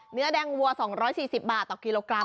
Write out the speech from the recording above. เนื้อแดงวัว๒๔๐บาทต่อกิโลกรัม